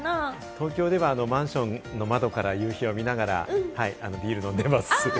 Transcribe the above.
東京ではマンションの窓から夕日を見ながらビールを飲んでいます。